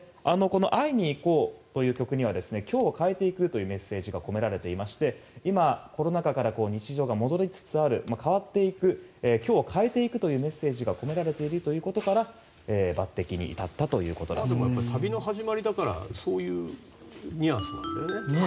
「会いにいこう」という曲には今日を変えていくというメッセージが込められていまして今、コロナ禍から日常が戻りつつある今日を変えていくというメッセージが込められていることから旅の始まりだからそういうニュアンスなんだよね。